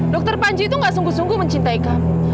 dokter panji itu gak sungguh sungguh mencintai kamu